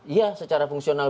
ya secara fungsional